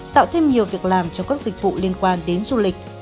tạo thêm nhiều việc làm cho các dịch vụ liên quan đến du lịch